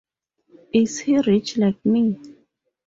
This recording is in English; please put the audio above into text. Is he rich like me?